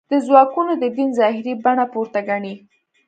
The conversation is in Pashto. دا ځواکونه د دین ظاهري بڼه پورته ګڼي.